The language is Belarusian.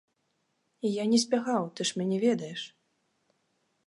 І я не збягаў, ты ж мяне ведаеш.